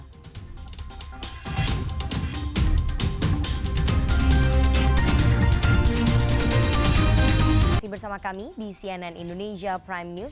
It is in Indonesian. terima kasih bersama kami di cnn indonesia prime news